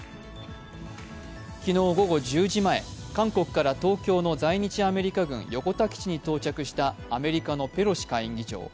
昨日午後１０時前、韓国から東京の在日アメリカ軍横田基地に到着したアメリカのペロシ下院議長。